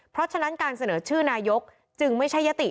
เพราะฉะนั้นการเสนอชื่อนายกจึงไม่ใช่ยติ